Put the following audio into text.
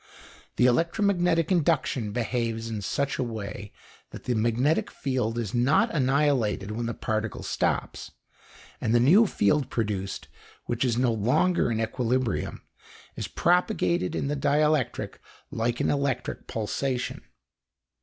The electromagnetic induction behaves in such a way that the magnetic field is not annihilated when the particle stops, and the new field produced, which is no longer in equilibrium, is propagated in the dielectric like an electric pulsation.